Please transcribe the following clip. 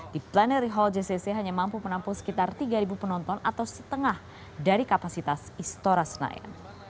di plenary hall jcc hanya mampu menampung sekitar tiga penonton atau setengah dari kapasitas istora senayan